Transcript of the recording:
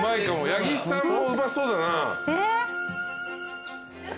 八木さんもうまそうだな。